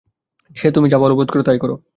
সে তুমি যা ভালো বোধ কর তাই করো।